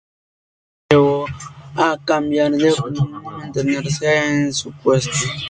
Esta oferta le llevó a cambiar de opinión y mantenerse en su puesto.